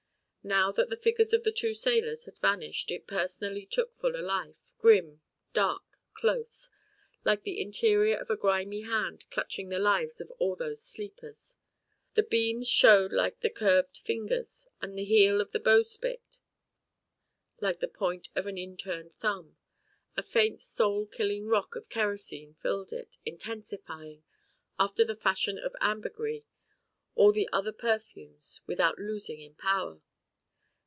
Now that the figures of the two sailors had vanished its personality took fuller life, grim, dark, close, like the interior of a grimy hand clutching the lives of all those sleepers. The beams shewed like the curved fingers, and the heel of the bowsprit like the point of the in turned thumb, a faint soul killing rock of kerosene filled it, intensifying, after the fashion of ambergris, all the other perfumes, without losing in power.